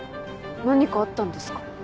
何かあったんですか？